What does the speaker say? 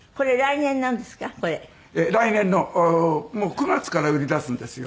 ９月から売り出すんですよ。